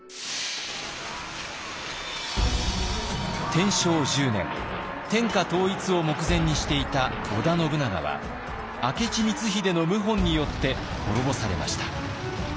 天正１０年天下統一を目前にしていた織田信長は明智光秀の謀反によって滅ぼされました。